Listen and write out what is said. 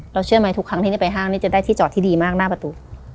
เชื่อไหมทุกครั้งที่จะไปห้างนี่จะได้ที่จอดที่ดีมากหน้าประตู